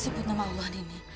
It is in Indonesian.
sebut nama allah nini